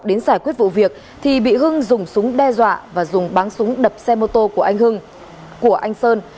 đến giải quyết vụ việc thì bị hưng dùng súng đe dọa và dùng bắn súng đập xe mô tô của anh sơn